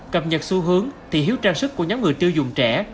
cập nhật xu hướng thị hiếu trang sức của nhóm người tiêu dùng trẻ